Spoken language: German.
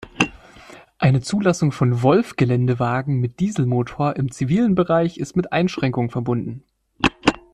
Eine Zulassung von Wolf Geländewagen mit Dieselmotor im zivilen Bereich ist mit Einschränkungen verbunden.